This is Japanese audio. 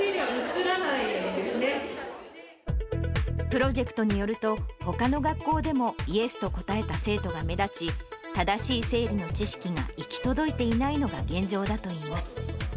プロジェクトによると、ほかの学校でもイエスと答えた生徒が目立ち、正しい生理の知識が行き届いていないのが現状だといいます。